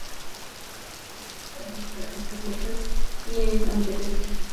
এই মানুষটা খুব ঠাণ্ডা মাথায় পুরো পরিস্থিতি হাতের মুঠোয় নিয়ে নিতে পারে।